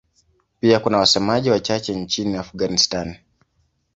Pia kuna wasemaji wachache nchini Afghanistan.